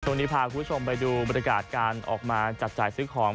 คุณผู้ชมพาคุณผู้ชมไปดูบรรยากาศการออกมาจับจ่ายซื้อของ